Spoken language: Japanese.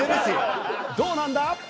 どうなんだ？